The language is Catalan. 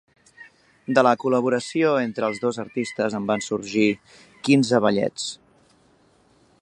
De la col·laboració entre els dos artistes en van sorgir quinze ballets.